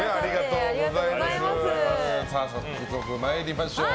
早速参りましょう。